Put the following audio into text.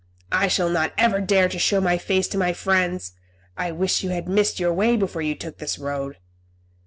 I shall not ever dare to show my face to my friends. I wish you had missed your way before you took this road."